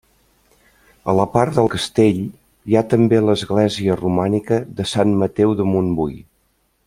A part del castell, hi ha també l'església romànica de Sant Mateu de Montbui.